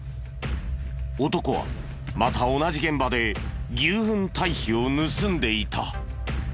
男はまた同じ現場で牛ふん堆肥を盗んでいた。